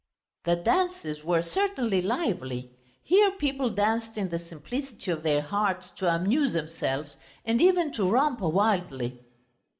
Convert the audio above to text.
The dances were certainly lively. Here people danced in the simplicity of their hearts to amuse themselves and even to romp wildly.